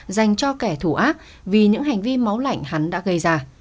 dành cho kẻ thù ác vì những hành vi máu lạnh hắn đã gây ra